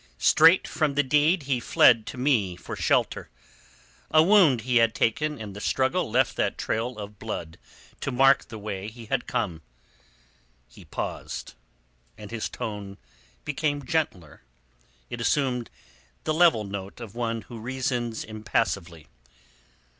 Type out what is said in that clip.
Straight from the deed he fled to me for shelter. A wound he had taken in the struggle left that trail of blood to mark the way he had come." He paused, and his tone became gentler, it assumed the level note of one who reasons impassively.